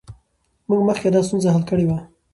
موږ مخکې دا ستونزه حل کړې وه.